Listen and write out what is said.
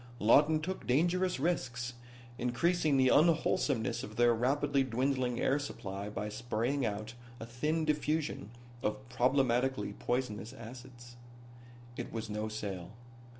Lawton took dangerous risks, increasing the unwholesomeness of their rapidly dwindling air supply by spraying out a thin diffusion of problematically poisonous acids. It was no sale.